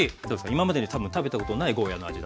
今までに多分食べたことないゴーヤーの味だと。